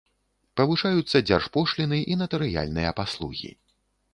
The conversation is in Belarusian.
Павышаюцца дзяржпошліны і натарыяльныя паслугі.